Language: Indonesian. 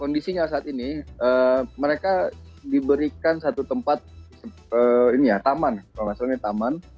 kondisinya saat ini mereka diberikan satu tempat ini ya taman